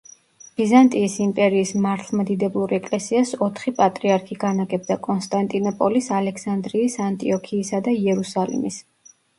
ბიზანტიის იმპერიის მართლმადიდებლურ ეკლესიას ოთხი პატრიარქი განაგებდა: კონსტანტინოპოლის, ალექსანდრიის, ანტიოქიისა და იერუსალიმის.